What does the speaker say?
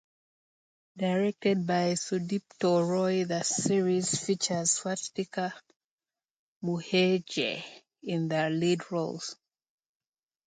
Directed by Sudipto Roy the series features Swastika Mukherjee in the lead roles.